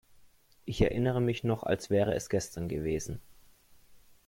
Ich erinnere mich noch, als wäre es gestern gewesen.